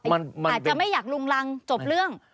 อาจจะไม่อยากลุงรังจบเรื่อง